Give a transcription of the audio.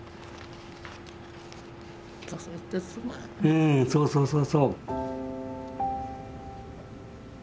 うんそうそうそう。